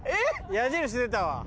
矢印出たわ。